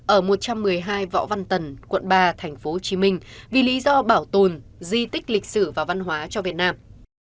ở một trăm một mươi hai võ văn tần quận ba tp hcm vì lý do bảo tồn di tích lịch sử và văn hóa cho việt nam